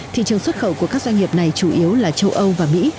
thị trường xuất khẩu của các doanh nghiệp này chủ yếu là châu âu và mỹ